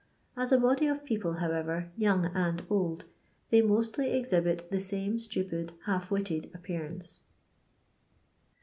As a body of people, however, young and old, they mostly ex hibit tlie wna itiqpid, half witted appearance.